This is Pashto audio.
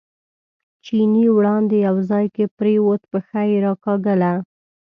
چیني وړاندې یو ځای کې پرېوت، پښه یې راکاږله.